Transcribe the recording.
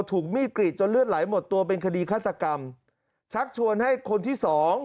ถูกมีดกรีดจนเลือดไหลหมดตัวเป็นคดีฆาตกรรมชักชวนให้คนที่สอง